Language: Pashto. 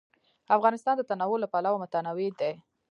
افغانستان د تنوع له پلوه متنوع دی.